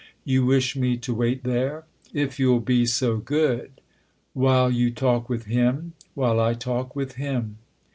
You wish me to wait there ?"" If you'll be so good." " While you talk with him ?"" While I talk with him.'